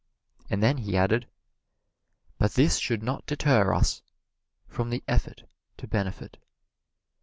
And then he added, "But this should not deter us from the effort to benefit."